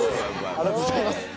ありがとうございます。